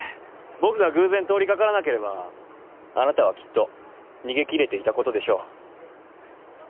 僕が偶然通り掛からなければあなたはきっと逃げ切れていたことでしょう。